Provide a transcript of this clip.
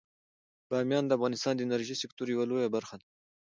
بامیان د افغانستان د انرژۍ د سکتور یوه لویه برخه ده.